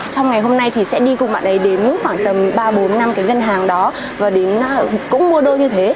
trong ngày hôm nay thì sẽ đi cùng bạn ấy đến khoảng tầm ba bốn năm cái ngân hàng đó và cũng mua đô như thế